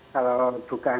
kalau bukan saya